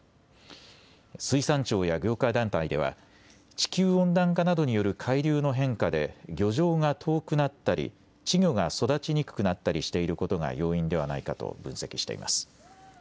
水産庁や業界団体では地球温暖化などによる海流の変化で漁場が遠くなったり稚魚が育ちにくくなったりしていることが要因ではないかと分析しています。